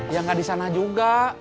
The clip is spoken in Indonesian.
ya nggak di sana juga